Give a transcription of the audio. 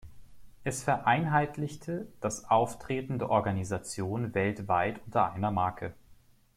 Es vereinheitlichte das Auftreten der Organisation weltweit unter einer Marke.